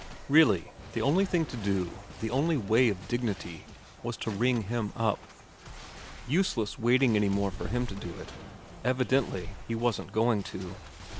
Really the only thing to do, the only way of dignity, was to ring him up. Useless waiting any more for him to do it ; evidently he wasn't going to.